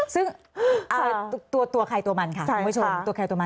ซึ่งตัวไข่ตัวมันค่ะคุณผู้ชม